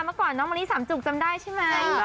เมื่อก่อนน้องมะลิสามจุกจำได้ใช่ไหม